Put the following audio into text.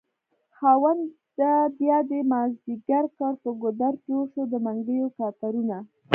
خاونده بيادی مازد يګر کړ په ګودر جوړشو دمنګيو کتارونه